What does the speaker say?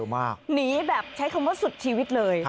หนีแบบใช้คำว่าสุดชีวิตเลย